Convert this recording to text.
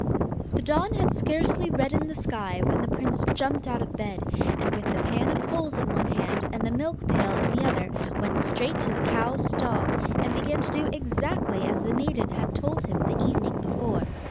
The dawn had scarcely reddened the sky when the prince jumped out of bed, and, with the pan of coals in one hand and the milk pail in the other, went straight to the cow's stall, and began to do exactly as the maiden had told him the evening before.